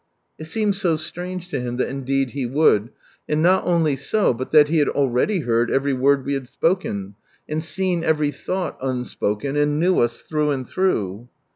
It seemed so strange to him that indeed He would, and not only so, but that He had already heard every word we had spoken, and seen every thought, unspoken, and knew us through and through.